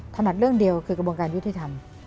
ถนัดเรื่องเดียวคือกระบวนการยุติธรรม